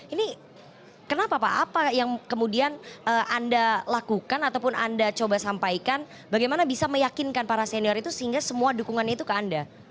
ini kenapa pak apa yang kemudian anda lakukan ataupun anda coba sampaikan bagaimana bisa meyakinkan para senior itu sehingga semua dukungannya itu ke anda